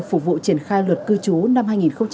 phục vụ triển khai luật cư trú năm hai nghìn hai mươi